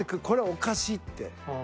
これはおかしいって。